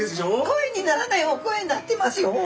声にならないお声になってますよ。